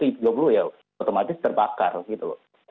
atau dua puluh ya otomatis terbakar gitu loh